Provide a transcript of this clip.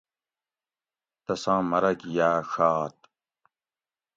تساں مرگ یاۤ ڛات